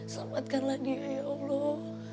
selamatkanlah dia ya allah